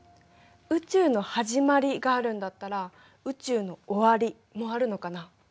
「宇宙のはじまり」があるんだったら「宇宙の終わり」もあるのかな？